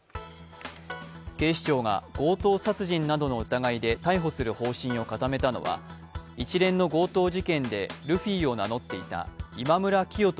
警視庁が強盗殺人などの疑いで逮捕する方針を固めたのは一連の強盗事件でルフィを名乗っていた今村磨人